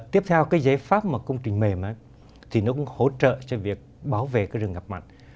tiếp theo cái giải pháp mà công trình mềm thì nó cũng hỗ trợ cho việc bảo vệ cái rừng ngập mặn